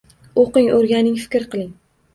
O’qing, o’rganing, fikr qiling